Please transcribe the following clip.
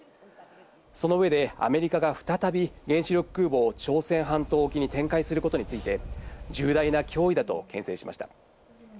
その上でアメリカが再び原子力空母を朝鮮半島沖に展開することについて重大な脅威だと牽制しました。